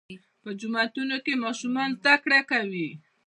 په جوماتونو کې ماشومان زده کړه کوي.